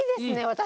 私。